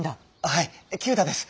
はい九太です。